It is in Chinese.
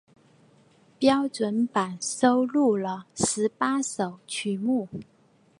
标准版收录了十八首曲目。